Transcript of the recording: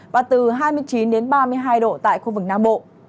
và từ hai mươi chín ba mươi hai độ tại khu vực nam bộ